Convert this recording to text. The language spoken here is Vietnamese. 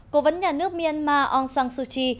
cố vấn nhà nước myanmar aung san suu kyi